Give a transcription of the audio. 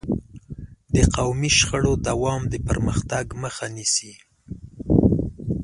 د قومي شخړو دوام د پرمختګ مخه نیسي.